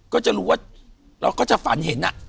ก็จะรู้ว่าเราก็จะฝันเห็น